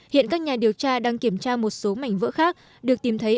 hiện các nhà điều tra đang kiểm tra một số mảnh vỡ khác được tìm thấy